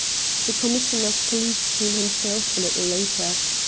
The Commissioner of Police came himself a little later.